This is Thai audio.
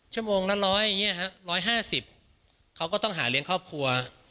ชั่วโมงละร้อยอย่างนี้ฮะ๑๕๐เขาก็ต้องหาเลี้ยงครอบครัว